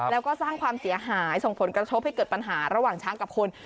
แล้วก็สร้างความเสียหายส่งผลกระทบให้เกิดปัญหาระหว่างช้างกับคน